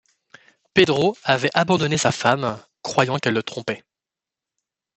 Pedro avait abandonné sa femme, croyant qu'elle le trompait.